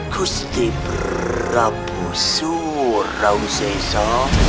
kusti prabu surawisesa